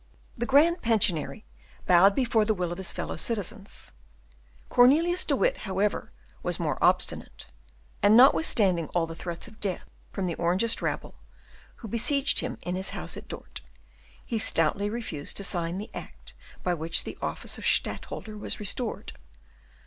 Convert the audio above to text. The Grand Pensionary bowed before the will of his fellow citizens; Cornelius de Witt, however, was more obstinate, and notwithstanding all the threats of death from the Orangist rabble, who besieged him in his house at Dort, he stoutly refused to sign the act by which the office of Stadtholder was restored.